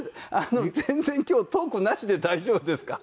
全然今日トークなしで大丈夫ですか？